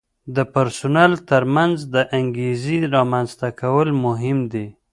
د پرسونل ترمنځ د انګیزې رامنځته کول مهم دي.